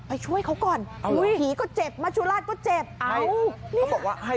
ไปช่วยเขาก่อนผีก็เจ็บมัจจุราตก็เจ็บ